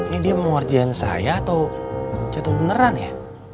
ini dia mau warjain saya atau jatuh beneran ya